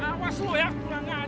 awas lo ya kurang ajar